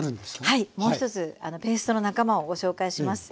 はいもうひとつペーストの仲間をご紹介します。